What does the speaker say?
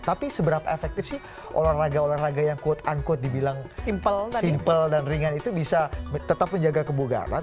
tapi seberapa efektif sih olahraga olahraga yang quote unquote dibilang simple dan ringan itu bisa tetap menjaga kebugaran